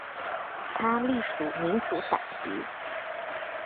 他隶属民主党籍。